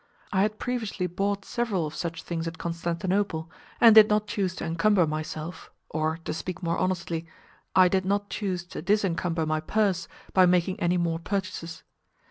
I had previously bought several of such things at Constantinople, and did not choose to encumber myself, or to speak more honestly, I did not choose to disencumber my purse by making any more purchases.